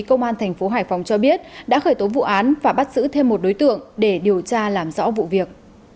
công an thành phố hải phòng cho biết đã khởi tố vụ án và bắt giữ thêm một đối tượng để điều tra làm rõ vụ việc